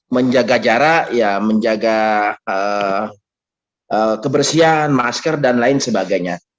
menjaga jarak menjaga kebersihan masker dan lain sebagainya